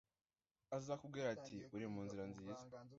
Azakubwira ati «Uri mu nzira nziza»,